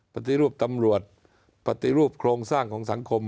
ปฏิรูปตำรวจปฏิรูปโครงสร้างของสังคม